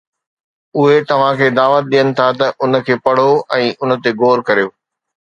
اهي توهان کي دعوت ڏين ٿا ته ان کي پڙهو ۽ ان تي غور ڪريو.